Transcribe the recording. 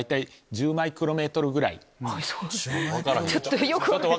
１０マイクロメートル⁉